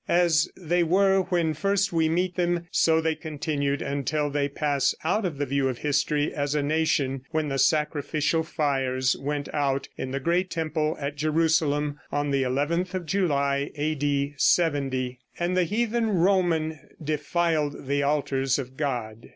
As they were when first we meet them, so they continued until they pass out of the view of history as a nation, when the sacrificial fires went out in the great temple at Jerusalem on the 11th of July, A.D. 70, and the heathen Roman defiled the altars of God.